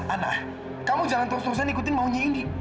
ana kamu jangan terus terusan ikutin maunya indi